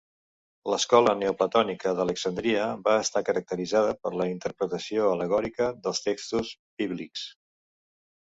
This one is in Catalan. L'Escola neoplatònica d'Alexandria va estar caracteritzada per la interpretació al·legòrica dels textos bíblics.